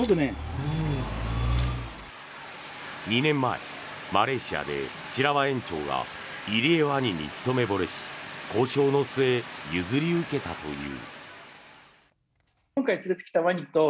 ２年前マレーシアで白輪園長がイリエワニにひと目ぼれし交渉の末、譲り受けたという。